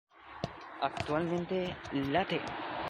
Actualmente, Late!